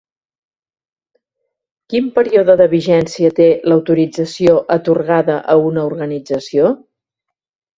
Quin període de vigència té l'autorització atorgada a una organització?